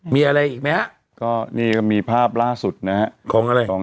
มีอะไรอีกไหมฮะก็นี่ก็มีภาพล่าสุดนะฮะของอะไรของ